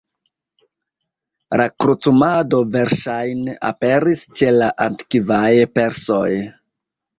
La krucumado verŝajne aperis ĉe la antikvaj persoj.